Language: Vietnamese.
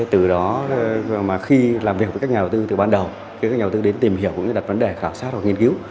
từ đó mà khi làm việc với các nhà đầu tư từ ban đầu khi các nhà đầu tư đến tìm hiểu cũng như đặt vấn đề khảo sát hoặc nghiên cứu